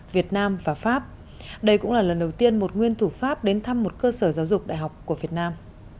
việt nam và pháp đây cũng là lần đầu tiên một nguyên thủ pháp đến thăm một cơ sở giáo dục đại học của việt nam